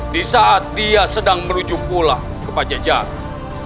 di saat dia sedang menuju pulang kepada jaga